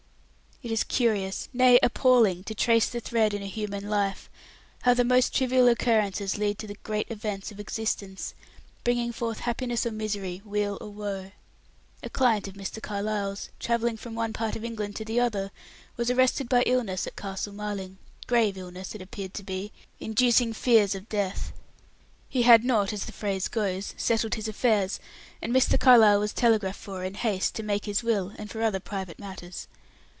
It is curious, nay, appalling, to trace the thread in a human life; how the most trivial occurrences lead to the great events of existence, bringing forth happiness or misery, weal or woe. A client of Mr. Carlyle's, travelling from one part of England to the other, was arrested by illness at Castle Marling grave illness, it appeared to be, inducing fears of death. He had not, as the phrase goes, settled his affairs, and Mr. Carlyle was telegraphed for in haste, to make his will, and for other private matters.